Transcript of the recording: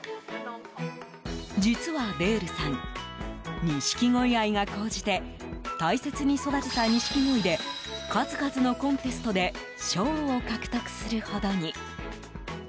実はデールさんニシキゴイ愛が高じて大切に育てたニシキゴイで数々のコンテストで賞を獲得するほどに。